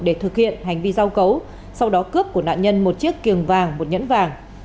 để thực hiện hành vi giao cấu sau đó cướp của nạn nhân một chiếc kiềng vàng một nhẫn vàng